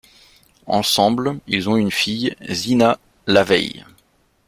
Ensemble, ils ont eu une fille Zeena LaVey.